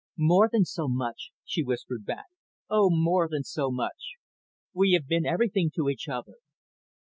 "More than so much," she whispered back. "Oh, more than so much. We have been everything to each other."